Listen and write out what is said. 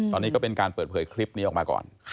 ตอนนี้ก็เป็นการเปิดเผยคลิปนี้ออกมาก่อน